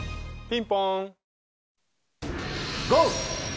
ピンポン。